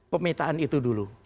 pemetaan itu dulu